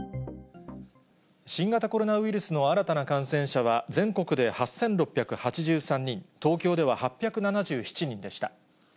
新型コロナウイルスの新たな感染者は、全国で８６８３人、東京では８７７人でした。